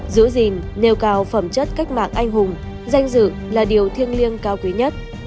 giữ gìn nêu cao phẩm chất cách mạng anh hùng danh dự là điều thiêng liêng cao quý nhất